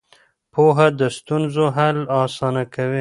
پوهه د ستونزو حل اسانه کوي.